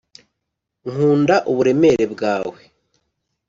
nkunda uburemere bwawe.